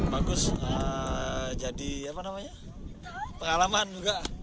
bagus jadi pengalaman juga